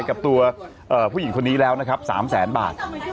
งั้นก็บอกว่าผู้หญิงคนนี้แล้วนะครับ๓๐๐๐๐บาท